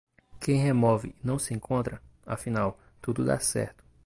Quem remove e não se encontra, afinal, tudo dá certo.